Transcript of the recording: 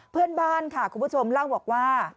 เพื่อนบ้านค่ะคุณผู้ชมเล่าบอกว่า